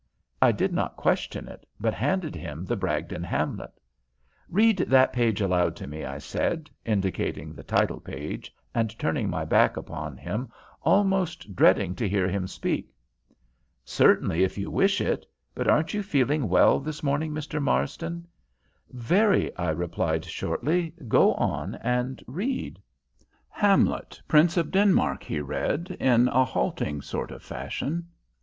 I did not question it, but handed him the Bragdon Hamlet. "Read that page aloud to me," I said, indicating the title page and turning my back upon him, almost dreading to hear him speak. "Certainly, if you wish it; but aren't you feeling well this morning, Mr. Marsden?" "Very," I replied, shortly. "Go on and read." "Hamlet, Prince of Denmark," he read, in a halting sort of fashion.